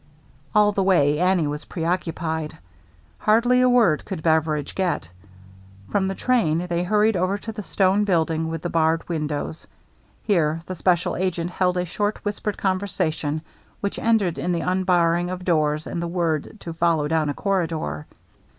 All the way Annie was preoccupied. Hardly a word could Beveridge get. From the train they hurried over to the stone building with the barred windows. Here the special agent held a short, whispered conversation which ended in the unbarring of doors and the word to follow down a corridor.